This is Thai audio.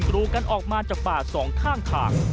กรูกันออกมาจากฝ่า๒ข้างข่าง